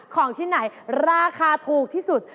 ของชิ้นไหนราคาถูกที่สุด